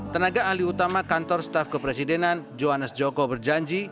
tenaga ahli utama kantor staf kepresidenan johannes joko berjanji